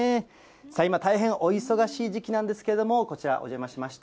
今、大変お忙しい時期なんですけれども、こちら、お邪魔しました。